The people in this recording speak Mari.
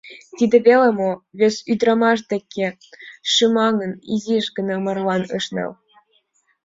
Тиде веле мо, вес ӱдрамаш деке шӱмаҥын, изиш гына марлан ыш нал.